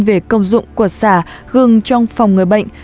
về công dụng của sả gừng trong phòng người bệnh